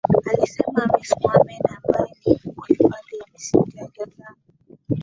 Alisema Khamis Mohamed ambae ni mkuu wa hifadhi ya msitu wa Jozani